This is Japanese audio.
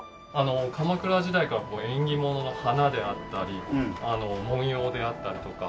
鎌倉時代から縁起物の花であったり文様であったりとか。